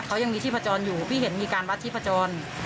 เขายังมีที่ผจรอยู่พี่เห็นมีการวัดที่พจร